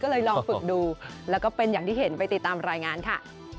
ก็เลยลองฝึกดูแล้วก็เป็นอย่างที่เห็นไปติดตามรายงานค่ะ